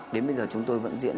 đến bây giờ chúng tôi vẫn diễn